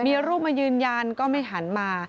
มีรูปมายืนยันก็ไม่หันมา